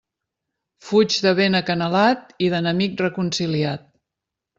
Fuig de vent acanalat i d'enemic reconciliat.